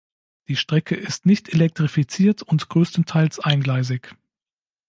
Die Strecke ist nicht elektrifiziert und größtenteils eingleisig.